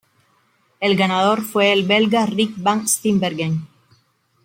El ganador fue el belga Rik Van Steenbergen.